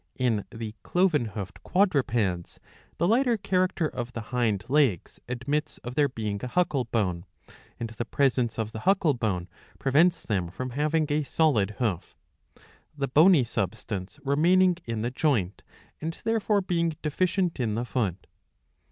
In the cloven hoofed quadrupeds the lighter character of the hind legs admits of there being a huckle bone ; and the presence of the huckle bone prevents them from having a solid hoof, the bony substance remaining in the joint, and therefore being deficient in the foot.